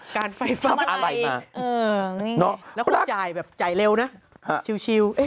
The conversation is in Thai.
การไฟฟ้าอะไรเออนี่ไงแล้วคงจ่ายแบบจ่ายเร็วนะชิวเอ๊ะ